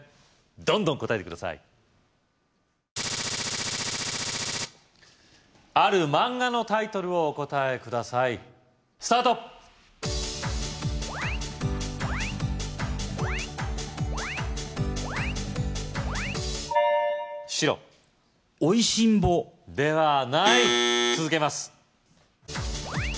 どんどん答えて下さいある漫画のタイトルをお答えくださいスタート白美味しんぼではない続けます